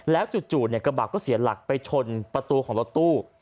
จู่กระบะก็เสียหลักไปชนประตูของรถตู้